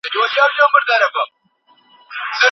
اسلام د ښه چلند سپارښتنه کوي.